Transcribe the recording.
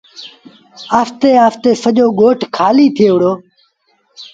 آهستي آهستي سڄو ڳوٺ کآليٚ ٿئي وُهڙو۔